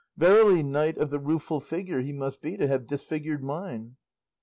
Verily, knight of the rueful figure he must be to have disfigured mine."